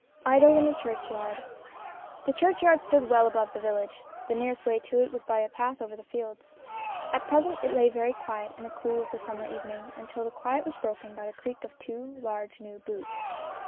VIII IDYLL IN A CHURCHYARD THE churchyard stood well above the village. The nearest way to it was by a path over fields. Q 242 STORIES IN GREY At present it lay very quiet in the cool of the summer evening until the quiet was broken by the creak of two large new boots.